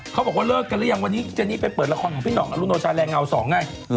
เขาบอกว่าเลิกกันหรือยังวันนี้เจนี่ไปเปิดละครของพี่ห่องอรุโนชาแรงเงาสองไง